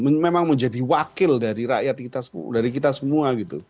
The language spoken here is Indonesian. memang menjadi wakil dari rakyat kita semua